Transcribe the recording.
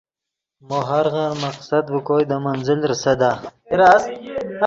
مو ہورغن مقصد ڤے کوئے دے منزل ریسدا